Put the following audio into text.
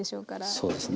そうですね。